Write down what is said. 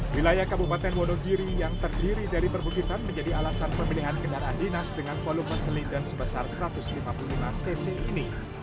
wilayah kabupaten wonogiri yang terdiri dari perbukitan menjadi alasan pemilihan kendaraan dinas dengan volume selinder sebesar satu ratus lima puluh lima cc ini